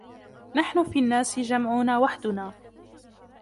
نحن في الناس جمعنا وحدنا